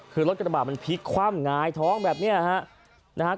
คือรถกลับบ้านมันพลิกความงายท้องแบบนี้นะครับ